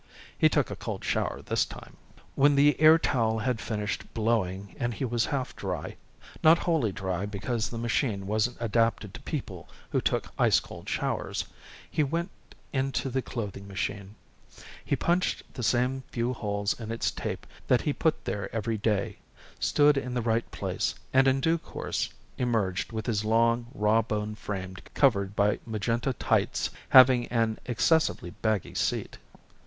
He took a cold shower this time. When the airtowel had finished blowing and he was half dry not wholly dry because the machine wasn't adapted to people who took ice cold showers he went in to the clothing machine. He punched the same few holes in its tape that he put there every day, stood in the right place, and in due course emerged with his long, rawboned frame covered by magenta tights having an excessively baggy seat.